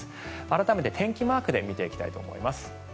改めて天気マークで見ていきたいと思います。